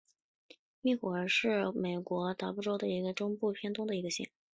密尔湖县是美国明尼苏达州中部偏东的一个县。